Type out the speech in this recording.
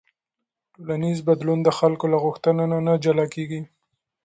ټولنیز بدلون د خلکو له غوښتنو نه جلا نه کېږي.